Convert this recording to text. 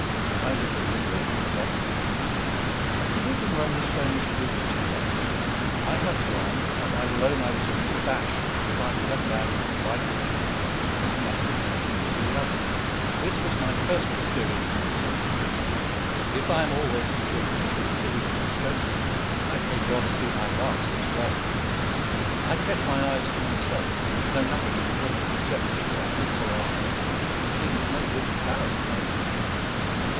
I little knew what he was offering. The sleeping room was furnished with two beds. I had one; and I will own I was a little abashed to find a young man and his wife and child in the act of mounting into the other. This was my first experience of the sort; and if I am always to feel equally silly and extraneous, I pray God it be my last as well. I kept my eyes to myself, and know nothing of the woman except that she had beautiful arms, and seemed no whit embarrassed by my appearance.